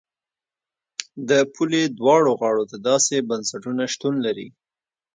د پولې دواړو غاړو ته داسې بنسټونه شتون لري.